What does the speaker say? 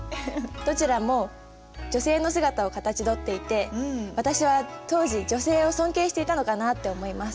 どちらも女性の姿をかたちどっていて私は当時女性を尊敬していたのかなって思います。